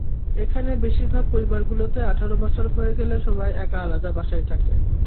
এখানে বেশির ভাগ পরিবারগুলোতে আঠারো বছর হয়ে গেলে সবাই একা আলাদা বাসায় থাকে।